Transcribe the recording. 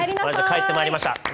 帰ってまいりました。